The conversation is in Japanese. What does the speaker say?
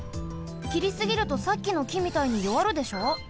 きりすぎるとさっきのきみたいによわるでしょ。